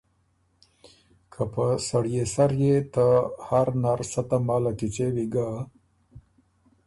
که په ”سړيې سر“ يې ته هر نر سۀ تماله کیڅېوی ګۀ